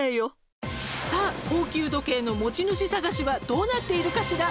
「さあ高級時計の持ち主探しはどうなっているかしら？」